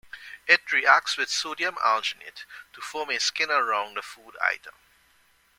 It reacts with sodium alginate to form a skin around the food item.